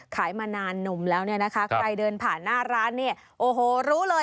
มานานนมแล้วเนี่ยนะคะใครเดินผ่านหน้าร้านเนี่ยโอ้โหรู้เลย